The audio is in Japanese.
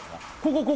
ここ！